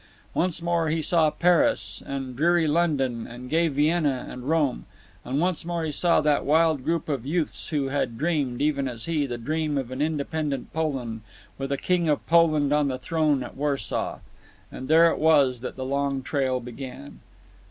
Once more he saw Paris, and dreary London, and gay Vienna, and Rome. And once more he saw that wild group of youths who had dreamed, even as he, the dream of an independent Poland with a king of Poland on the throne at Warsaw. Ah, there it was that the long trail began.